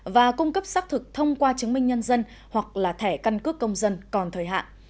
và cung cấp xác thực thông qua chứng minh nhân dân hoặc là thẻ căn cước công dân còn thời hạn